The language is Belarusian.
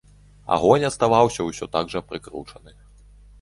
Агонь аставаўся ўсё так жа прыкручаны.